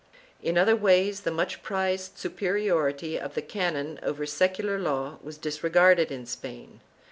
In other ways the much prized superiority of the canon over secular law was disregarded in Spain.